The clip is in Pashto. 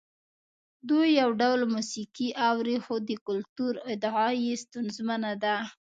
دوی یو ډول موسیقي اوري خو د کلتور ادعا یې ستونزمنه ده.